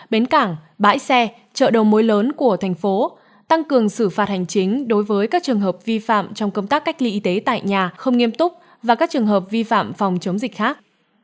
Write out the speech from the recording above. hải phòng dừng hoạt động các chốt kiểm soát dịch covid một mươi chín tại các bến tàu bến cảng bãi xe chợ đầu mối lộn của thành phố tăng cường xử phạt hành chính đối với các trường hợp vi phạm trong công tác cách ly y tế tại nhà không nghiêm túc và các trường hợp vi phạm phòng chống dịch khác